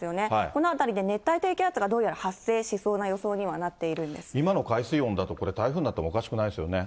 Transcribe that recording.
この辺りで熱帯低気圧がどうやら発生しそうな予想にはなっている今の海水温だと、これ、台風になってもおかしくないですよね。